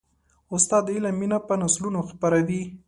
استاد د علم مینه په نسلونو خپروي.